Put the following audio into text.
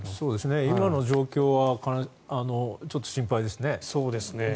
今の状況はちょっと心配ですね。